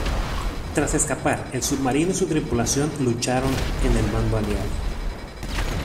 Tras escapar el submarino y su tripulación lucharon en el bando aliado.